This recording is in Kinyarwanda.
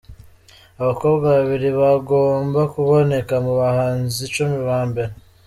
Abakobwa babiri bagomba kuboneka mu bahanzi icumi ba mbere.